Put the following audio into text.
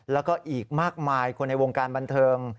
แล้วก็อีกมากมายคนในวงการบันเทิง